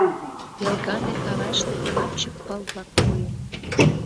Пелганде каваште лапчык пыл-влак койыт.